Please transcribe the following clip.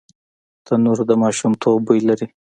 تنور د ماشومتوب بوی لري